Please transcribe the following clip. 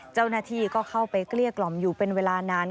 เจ้าหน้าที่ก็เข้าไปเกลี้ยกล่อมอยู่เป็นเวลานาน